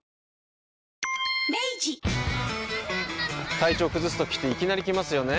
体調崩すときっていきなり来ますよね。